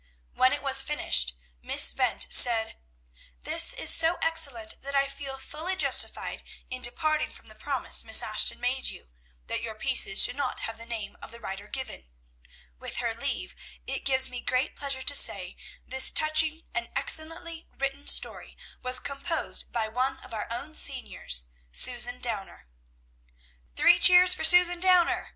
When it was finished, Miss Bent said, "This is so excellent that I feel fully justified in departing from the promise Miss Ashton made you, that your pieces should not have the name of the writer given; with her leave, it gives me great pleasure to say, this touching and excellently written story was composed by one of our own seniors, Susan Downer." "Three cheers for Susan Downer!"